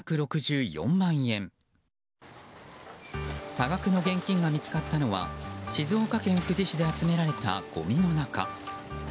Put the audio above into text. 多額の現金が見つかったのは静岡県富士市で集められたごみの中。